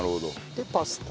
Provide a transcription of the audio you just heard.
でパスタ。